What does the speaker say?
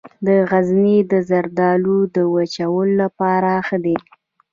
د غزني زردالو د وچولو لپاره ښه دي.